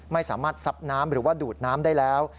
ไม่สามารถซับน้ำหรือว่าดูดน้ำได้แล้ว